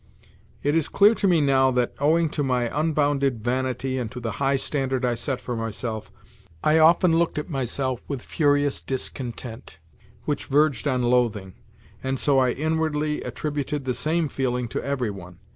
It is clear to me now that, owing to my unbounded vanity and to the high standard I set for myself, I often looked at myself with furious discontent, which verged on loathing, and so I inwardly attributed the same feeling to every one.